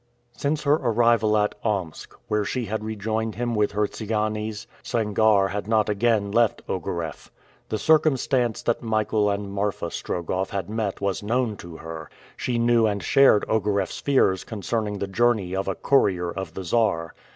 Since her arrival at Omsk, where she had rejoined him with her Tsiganes, Sangarre had not again left Ogareff. The circumstance that Michael and Marfa Strogoff had met was known to her. She knew and shared Ogareff's fears concerning the journey of a courier of the Czar.